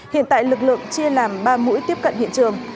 hiện tại lực lượng chia làm ba mũi tiếp cận hiện trường